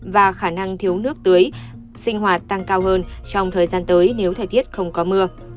và khả năng thiếu nước tưới sinh hoạt tăng cao hơn trong thời gian tới nếu thời tiết không có mưa